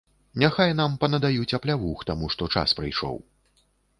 Няхай нам панадаюць аплявух, таму што час прыйшоў.